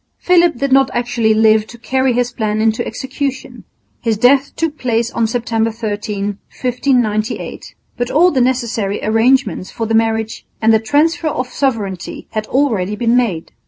Philip did not actually live to carry his plan into execution. His death took place on September 13, 1598. But all the necessary arrangements for the marriage and the transfer of sovereignty had already been made.